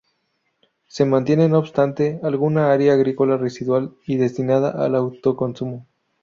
Se mantiene, no obstante, alguna área agrícola residual y destinada al autoconsumo.